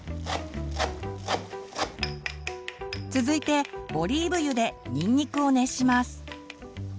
続いてオリーブ油でにんにくを熱します。